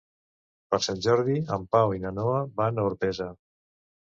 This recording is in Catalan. Per Sant Jordi en Pau i na Noa van a Orpesa.